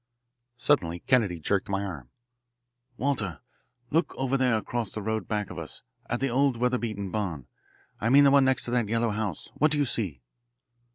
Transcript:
Suddenly Kennedy jerked my arm. "Walter, look over there across the road back of us at the old weatherbeaten barn. I mean the one next to that yellow house. What do you see?"